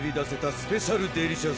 スペシャルデリシャス